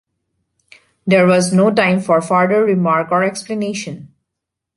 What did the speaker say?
There was no time for farther remark or explanation.